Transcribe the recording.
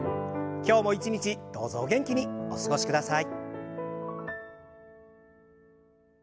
今日も一日どうぞお元気にお過ごしください。